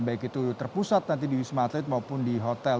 baik itu terpusat nanti di wisma atlet maupun di hotel